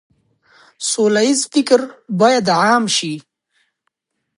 سوله ييز فکر بايد عام شي.